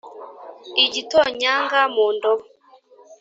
igitonyanga mu ndobo.